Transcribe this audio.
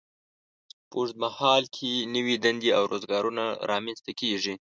په اوږد مهال کې نوې دندې او روزګارونه رامینځته کیږي.